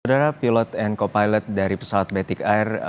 saudara pilot and co pilot dari pesawat batik air